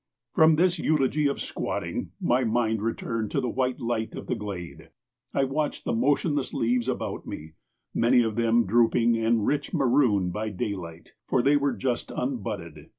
From this eulogy of squatting, my mind returned to the white light of the glade. I watched the motionless leaves about me, many of them drooping and rich maroon by daylight, for they were just unbudded.